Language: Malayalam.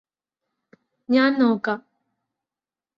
ഞാന് നോക്കാം